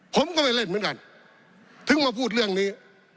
ผมก็ไม่เล่นเหมือนกันถึงมาพูดเรื่องนี้